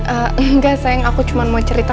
ehm engga sayang aku cuma mau cerita